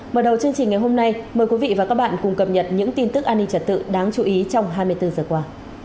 mở đầu chương trình ngày hôm nay mời quý vị và các bạn cùng cập nhật những tin tức an ninh trật tự đáng chú ý trong hai mươi bốn giờ qua